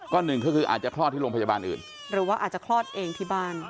ก็หนึ่งก็คืออาจจะคลอดที่โรงพยาบาลอื่นหรือว่าอาจจะคลอดเองที่บ้าน